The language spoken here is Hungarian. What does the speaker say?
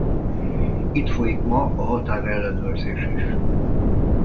Itt folyik ma a határellenőrzés is.